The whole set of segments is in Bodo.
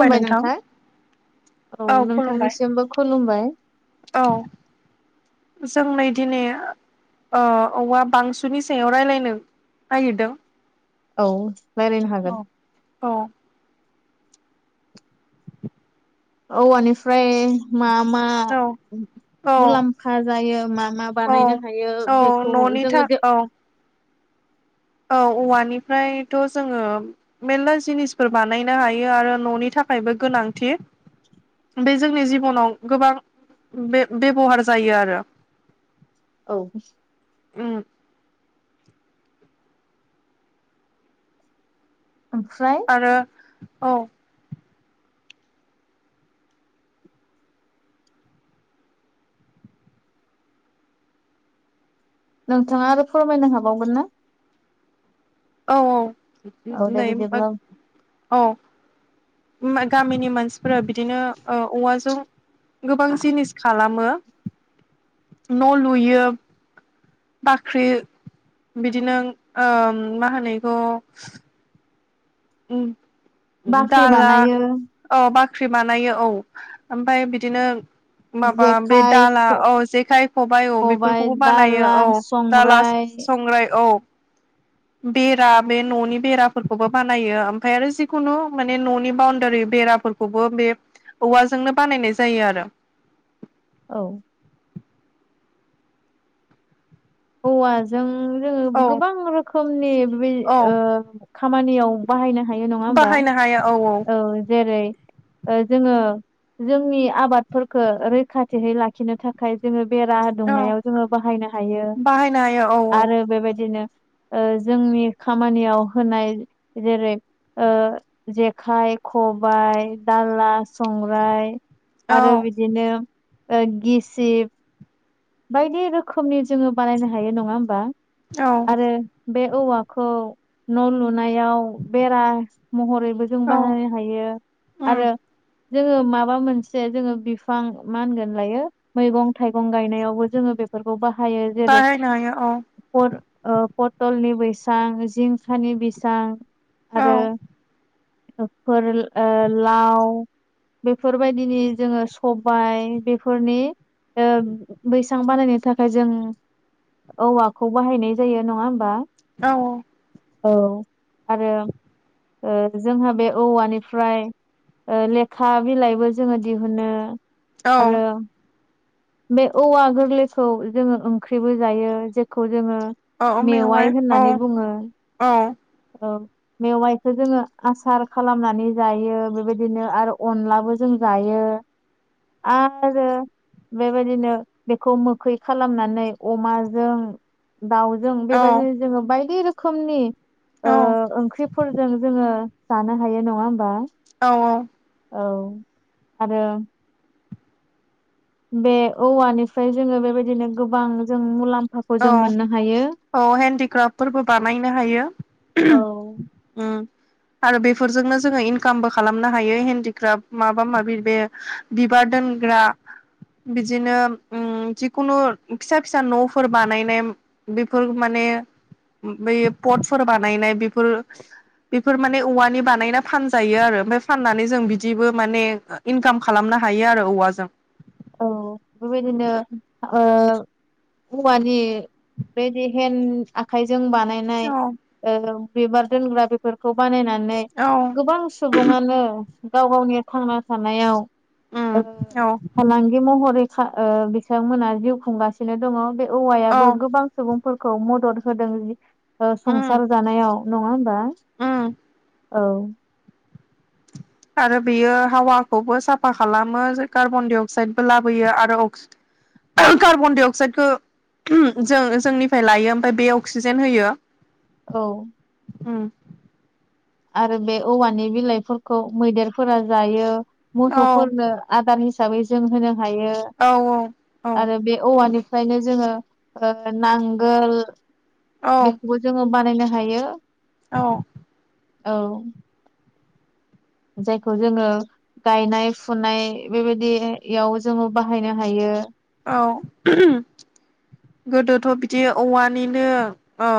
खुुमबाय नोंथां औ नोंथांनिसिमबो खुलुमबाय । औ जों नै दिनै औ ओवा बांसुनि सायाव रायलायनो नागिरदों औ रायज्लायनो हागोन औ । औ औवानिफ्राय मा मा औ मुलाम्फा जायो मा मा औ बानायनो हायो औ बेखौ न'नि था जोङो औ औ औवानिफ्रायथ' जोङो मेरला जिनिसफोर बानायनो हायो । आरो न'नि थाखायबो गोनांथि बे जोंनि जिबनाव गोबां बे बेबहार जायो । आरो [unintelligible] औ उम ओमफ्राय आरो औ नोंथाङा आरो फोरमायनो हाबावगोन ना? औ औ दे नैबा बिदिब्ला औ गामिनि मानसिफोरा बिदिनो औवाजों गोबां जिनिस खालामो न' लुयो बाख्रि बिदिनो ओम मा होनो बेखौ? उ बाख्रि दाला बानायो औ बाख्रि बानायो औ ओमफ्राय बिदिनो माबा बे जेखाइ दाला औ जेखाइ खबाइ औ बेफोरखौबो बानायो दाला । औ दाला संग्राय संग्राय औ बेरा बे न'नि बेराफोरखौबो बानायो ओमफ्राय आरो जिखुनु माने न'नि बाउणडारि बेराफोर खौबो बे औवाजोंनो बानायनाय जायो । आरो औ औवाजों जोङो औ गोबां रोखोमनि बे औ ओ खामानियाव बाहायनो हायो नङा होमबा बाहायनो हायो औ । औ जेरै ओ जोङो जोंनि आबादफोरखो रैखाथियै लाखिनो थाखाय जोङो बेरा दुंनायाव जोङो बाहायनो हायो । ाहाय न औ औ आरो बेबायदिनो जोंनि खामानियाव होनाय जेरै जेखाइ, खबायाइ, दाला, संग्राय आरो औ बिदिनो गिसिब बायदि रोखोमनि जोङो बानायनो हायो नङा होमबा । औ बे औवाखौ न' लुनायाव बेरा महरै जों औ बाहायनो हायो उम आरो । जोङो माबा मोनसे जोङो बिफां मा होनगोन लायो मैगं थाइगं गायनायाव जोङो बेफोरखौ बाहायो जेरै बाहायनो हायो औ प-पथलनि बैसां जिंखानि बैसां औ आरो फोर लाव बेफोरबायदिनि जोङो सबाय बेफोरनि बैसां बानायनो थाखाय जों औवाखौ बाहायनाय जायो नङा होमबा औ औ आरो जोंहा बे औवानिफ्राय लेखा बिलाइबो जोङो दिहुनो औ आरो बे औवा गोरलैखौ जोङो ओंख्रिबो जायो । जेखौ जोङो औ मेवाइ औ होननानै बुङो औ । औ मेवाइखौ जोङो आसार खालामनानै जायो । बेबायदिनो आरो अनलाबो जों जायो आरो बेबायदिनो बेखौ मोखै खालामनानै अमाजों दाउजों बेबायदिनो जोङो बायदि रोखोमनि औ ओंख्रिफोरजों जोङो जानो हायो नङा होमबा औ औ औ आरो बे औवानिफ्राय जोङो बेबायदिनो गोबां जों मुलाम्फा औ औ हेन्डक्राफ्टफोरबो बानायनो हायो औ उम आरो बेफोरजोंनो जोङो इनकामबो खालामनो हायो हेन्दिक्राफ्ट माबा माबि बे बिबार दोनग्रा बिदिनो जिखुनु फिसा फिसा न' फोर बानायनाय बेफोर माने बे पटफोर बानायनाय बेफोर बेफोर माने औवानि बानायना फानजायो आरो ओमफफ्राय फाननानै जों बिदिबो माने इनकाम खालामनो हायो आरो औवाजों औ बेबायदिनो ओ औवानि बेदि हेन्द आखाइजोंबानो औ बानायनाय बिबार दोनग्रा बेफोर खौ बानायनानै गोबां सुबुङानो गाव गावनि थांना थानायाव उ ओ औ फालांगि महरै बिथांमोनहा जिउ खुंगासिनो दङ बे औ औवायाबो गोबां सुबुंफोरखौ मदद होदों उम संसार जानायाव नङा होमबा उम औ आरो बेयो हावाखौबो साफा खालामो औ कार्बन डाइ अक्साइदबो लाबोयो आरो अक् कारबन दाइ अक्साइडखौ जों जोंनिफ्राय लायो ओमफ्राय बे अक्सिजेन होयो औ उम आरो बे औवानि बिलाइफोरखौ मैदेरफोरा जायो औ मोसौफोरनो आदार हिसाबै जों होनो हायो औ आरो औ बे औवानि ओफ्रायनो जोङो ओ नांगोल बेखौबो जोङो बानायनो हायो। औ औ जायखौ जोङो गायनाय फुनाय बेबायदियाव जोङो बाहायनो हायो। औ गोदोथ' बिदि औवानिनो अ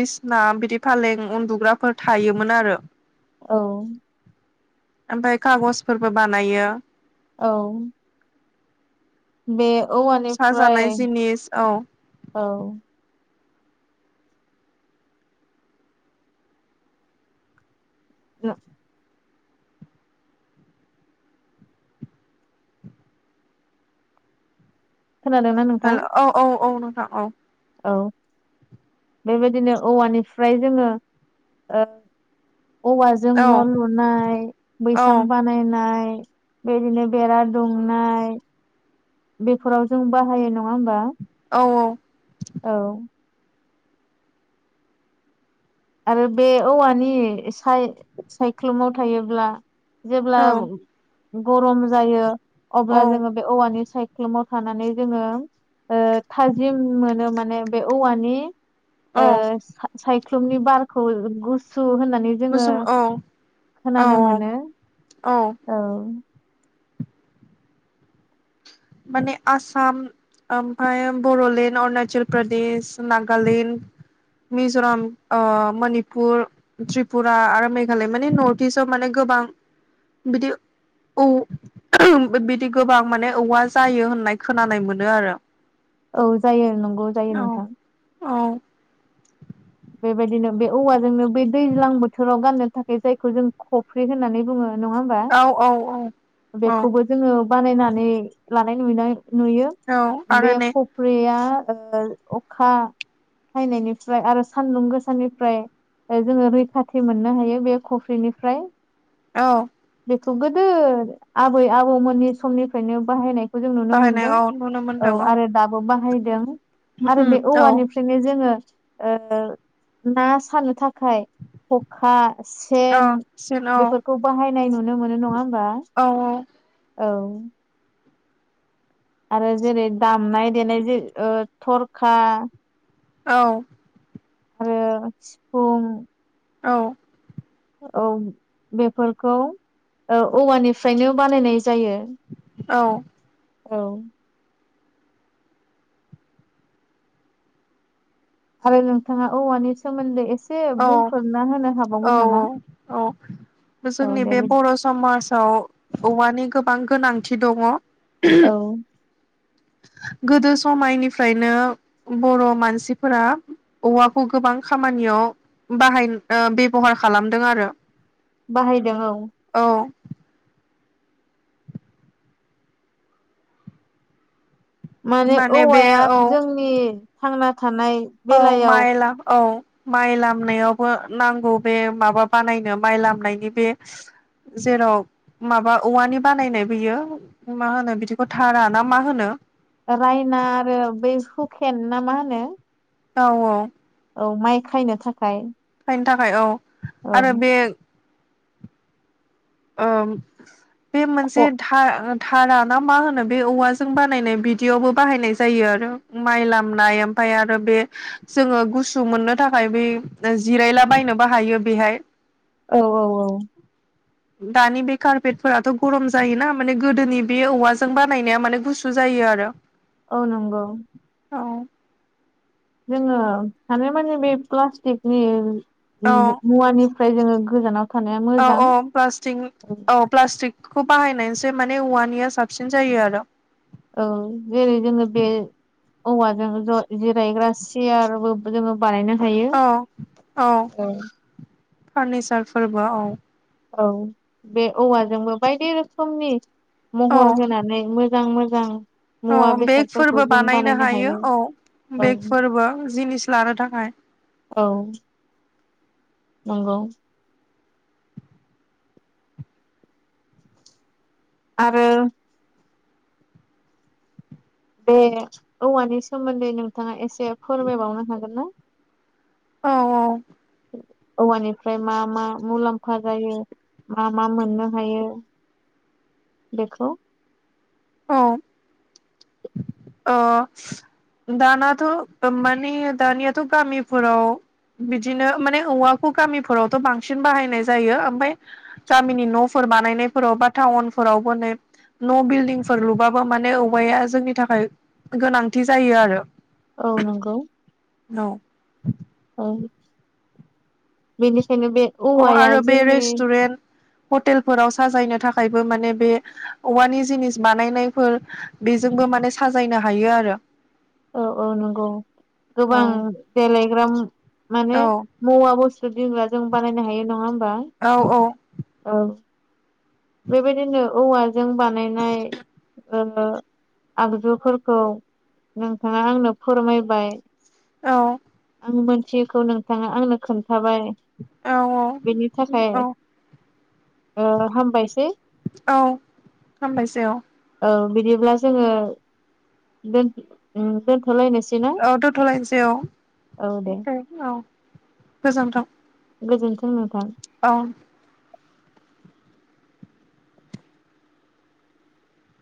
बिसना बिदि फालें उन्दुग्राफोर थायोमोन आरो। औ ओमफ्राय कागजफोरबो बानायो। औ बे साजानाय औवानिफ्राय जिनिस औ औ द [unintelligible] खोनादोंना नोंथां हेल' औ औ औ नोंथां औ औ बेबायदिनो औवानिफ्राय जोङो औवाजों औ न' लुनाय औ बैसां बानायनाय बेदिनो बेरा दुंनाय बेफोराव जों बाहायो नङा होमबा? औ औ औ आरो बे औवानि साय-सायख्लुमाव थायोब्ला जेब्ला औ गरम जायो औ अब्ला जोङो बे औवानि सायख्लुमाव थानानै जोङो ओ थाजिम मोनो माने बे औवानि ओ औ सा-सायख्लुमनि बारखौ गुसु होननानै जोङो गोसोम औ औ खोनानो मोनो औ। माने आसाम ओमफाय बड'लेण्ड अरुणाचल प्रदेश नागालेण्ड मिज'राम ओ मनिपुर त्रिपुरा आरो मेघालय माने नर्थ इस्टआव माने गोबां बिदि औ बिदि गोबां माने औवाज जायो होननाय खोनानाय मोनो आरो। औ जायो नंगौ जायो औ नोंथां। औ बेबायदिनो बे औवाजोंनो बे दैज्लां बोथोराव गाननो थाखाय जायखौ जों खफ्रि होननानै बुङो नङा होम बा औ औ औ औ बेखौबो जोङो बानायनानै लानाय नुनायोना नुयो औ बे आरो नै ख फ्रिया ओ अखा हायनायनिफ्राय आरो सानदुं गोसानिनिफ्राय जोङो रैखाथि मोननो हायो बे खफ्रिनिफ्राय। औ बेखौ गोदो आबै आबौमोननि समनिफ्रायनो बाहायनाय जों नुनो बाहायनाय मोनदों। औ नुनो औ मोनदों आरो दाबो बाहायदों आरो बे औ औ औवानिफ्रायनो जोङो ओ ओ ना सानो थाखाय ख'खा औ सेन सेन औ बेफोरखौ बाहायनाय नुनो मोनो नङा होमबा? औ औ। औ आरो जेरै दामनाय देनाय जे थ'रखा औ आरो सिफुं औ। औ बेफोरखौ औवानिफ्रायनो बानायनाय जायो औ औ आरो नोंथाङा औवानि सोमोन्दै एसे औ बुंफोरना होनो औ हाबावगोन नामा औ औ जोंनि बे बर' समाजाव औवानि गोबां गोनांथि दङ औ गोदो समायनिफ्रायनो बर' मानसिफोरा औवाखौ गोबां खामानियाव बाहाय बेबहार खालामदों आरो बाहायदों औ औ माने बे औवाया औ जोंनि थांना थानाय औ बेलायाव माइेला औ माइ लामनायावबो नांगौ बे माबा बानायनो माइ लामनायनि बे जेराव माबा औवानि बानायनाय बियो मा होनो बिदिखौ थारा ना मा होनो रायना आरो बै हुकेन ना मा होनो औ औ औ माइ खायनो थाखाय खायनो थाखाय औ औ आरो बे औ बे मोनसे ख' था थाना ना मा होनो बे औवाजों बानायनाय बिदियावबो बाहायनाय जायो आरो माइ लामनाय ओमफ्राय आरो बे जोङो गुसु मोननो थाखाय बे जिरायला बायनोबो हायो बेहाय औ औ औ दानि बे कारपेटफोराथ' गरम जायोना माने गोदोनि बे औवाजों बानायनाया माने गुसु जायो आरो [inaudible] औ नंगौ औ जोङो हानायमानि बे प्लास्टिकनि मुवानि फ्राय जोङो गोजानाव थानाया औ मोजां औ प्लास्टिं औ प्लास्टिकखौ बाहायनायसो माने औवानिया साबसिन जायो आरो औ जेरै जोङो बे औवाजों ज-जिरायग्रा सियारबो जोङो बानायनो हायो। औ औ फार्निचारफोरबो औ औ बे औवाजोंबो बायदि रोखोमनि औ महर होनानै मोजां मोजां मुवा औ बेसादफोरखौ बेगफोरबो जों बानायनो हायो औ औ बेगफोरबो जिनिस लानो थाखाय औ नंगौ आरो बे औवानि सोमोन्दै नोंथाङा एसे फोरमायबावनो हागोन ना? औ औ औवानिफ्राय मा मा मुलाम्फा जायो। मा मा मोननो हायो बेखौ अ अ दानाथ' माने दानियाथ' गामिफोराव बिदिनो माने औवाखौ गामिफोरावथ' बांसिन बाहायनाय जायो ओमफाय गामिनि न'फोर बानायनायफोराव बा टाउनफोरावबो नै न' बिल्डिंफोर लुबाबो माने औवाया जोंनि थाखाय गोनांथि जायो आरो औ नंगौ न' औ बेनिखायनो बे अ औवाया आरो बे जोंनि रेस्टुरेन्ट हटेलफोराव साजायनो थाखायबो माने बे औवानि जिनिस बानायनायफोर बेजोंबो माने साजायनो हायो आरो। औ औ नंगौ औ गोबां देलायग्रा माने औ मुवा बुस्थु दोनग्रा जों बानायनो हायो नङा होमबा। औ औ औ बेबायदिनो औवाजों बानायनाय आगजुफोरखौ नोंथाङा आंनो फोरमायबाय औ आं मोनथियैखौ नोंथाङा आंनो खोन्थाबाय। औ बेनि थाखाय औ ओ हामबाय औ हामबायसै औ। औ बिदिब्ला जोङो दोन ओ दोन औ दोथ' लायनोसै औ औ दे । [unintelligible] औ गोजोनथों। गोजोन्थों नोंथां। औ।